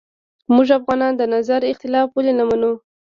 موږ افغانان د نظر اختلاف ولې نه منو